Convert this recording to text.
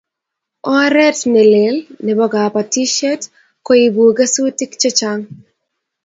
oret ne lel nebo kabatisiet ko ibu kesutik che chang'